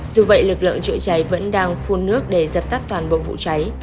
dù vậy lực lượng chữa cháy vẫn đang phun nước để dập tắt toàn bộ vụ cháy